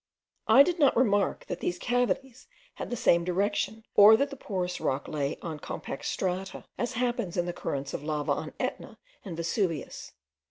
I did not remark that these cavities had the same direction, or that the porous rock lay on compact strata, as happens in the currents of lava of Etna and Vesuvius.